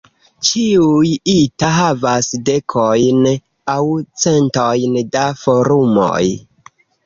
Ĉiuj "ita" havas dekojn aŭ centojn da forumoj.